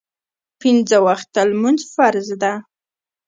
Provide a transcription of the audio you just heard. پنځه وخته لمونځ فرض ده